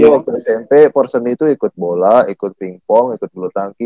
waktu smp porseni itu ikut bola ikut ping pong ikut bulu tangkis